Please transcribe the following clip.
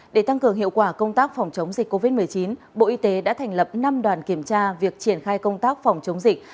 để tăng cường hiệu quả công tác phòng chống dịch covid một mươi chín bộ y tế đã thành lập năm đoàn kiểm tra việc triển khai công tác phòng chống dịch